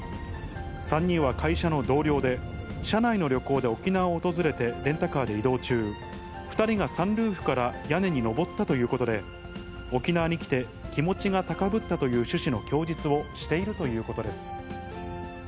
３人は会社の同僚で、社内の旅行で沖縄を訪れて、レンタカーで移動中、２人がサンルーフから屋根に上ったということで、沖縄に来て、気持ちが高ぶったという趣旨の供述をしているということです。